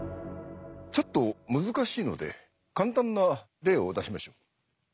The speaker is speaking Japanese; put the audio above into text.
ちょっと難しいので簡単な例を出しましょう。